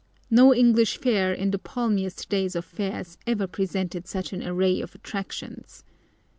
No English fair in the palmiest days of fairs ever presented such an array of attractions.